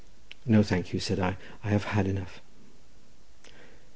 "No, thank you," said I; "I have had enough."